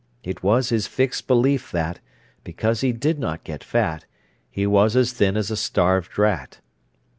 It was his fixed belief that, because he did not get fat, he was as thin as a starved rat.